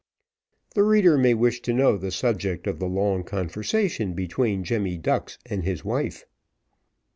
The reader may wish to know the subject of the long conversation between Jemmy Ducks and his wife.